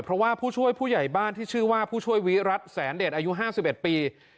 เพราะว่าผู้ช่วยผู้ใหญ่บ้านที่ชื่อว่าผู้ช่วยวิรัติแสนเดชอายุ๕๑ปี